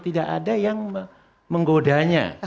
tidak ada yang menggodanya